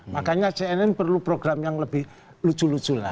makanya cnn perlu program yang lebih lucu lucu lah